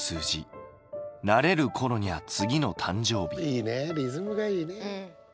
いいねリズムがいいね。